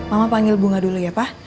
mama panggil bunga dulu ya pak